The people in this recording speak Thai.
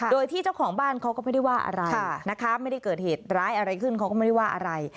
โดยที่เจ้าของบ้านเขาก็ไม่ได้ว่าอะไรนะคะไม่ได้เกิดเหตุร้ายอะไรขึ้นเขาก็ไม่ได้ว่าอะไร